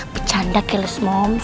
becanda keles moms